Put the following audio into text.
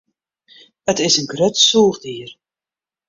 It is in grut sûchdier.